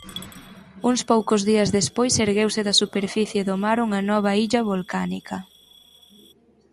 Uns poucos días despois ergueuse da superficie do mar unha nova illa volcánica.